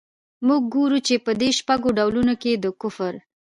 موږ ګورو چي په دې شپږو ډولونو کي د کفر.